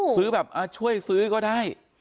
ซื้อแบบช่วยซื้อก็ได้